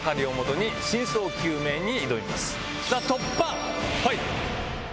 ＴＨＥ突破ファイル！